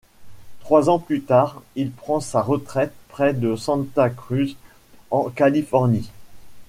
Trois ans plus tard, il prend sa retraite près de Santa Cruz en Californie.